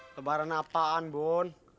lebaran apaan bon